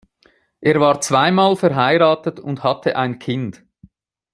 Er war zweimal verheiratet und hatte ein Kind.